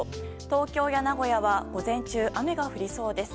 東京や名古屋は午前中、雨が降りそうです。